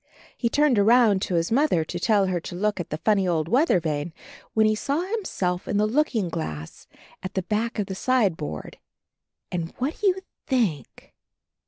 He turned around to his Mother to tell her to look at the funny old weather vane, when he saw himself in the looking glass at the back of the sideboard — and what do you think?